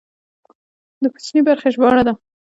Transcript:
د کوچنۍ برخې ژباړه ده.